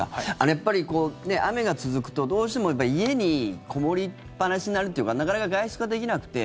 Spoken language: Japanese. やっぱり、こうね雨が続くとどうしても家にこもりっぱなしになるっていうかなかなか外出ができなくて。